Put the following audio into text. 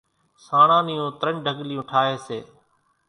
سانڻان نيون ترڃ ڍڳليون ٺاۿي سي،